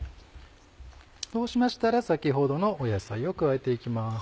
そうしましたら先ほどの野菜を加えていきます。